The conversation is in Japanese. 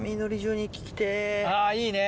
あいいね。